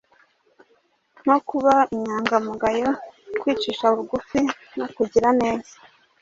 nko kuba inyangamugayo, kwicisha bugufi no kugira neza,